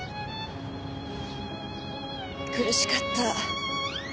苦しかった。